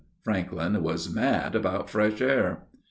Franklyn was mad about fresh air."